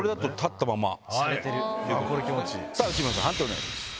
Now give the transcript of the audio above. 内村さん判定をお願いします。